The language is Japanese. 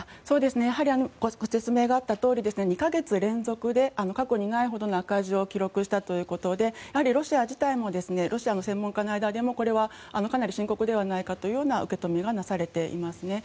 やはりご説明があったとおり２か月連続で過去にないほどの赤字を記録したということでやはりロシア自体もロシアの専門家の間でもこれはかなり深刻ではないかというような受け止めがされていますね。